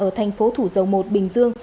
ở thành phố thủ dầu một bình dương